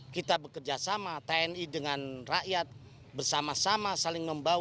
kita bekerja sama tni dengan rakyat bersama sama saling membawa